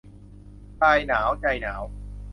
กายหนาว ใจหนาว